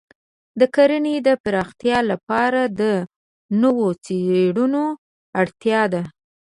د کرنې د پراختیا لپاره د نوو څېړنو اړتیا ده.